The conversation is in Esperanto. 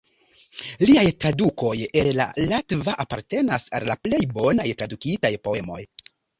Liaj tradukoj el la latva apartenas al la plej bonaj tradukitaj poemoj.